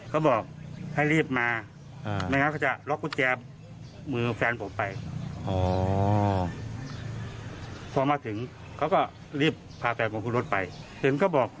ก็ต้องไปหายืมเขาครับ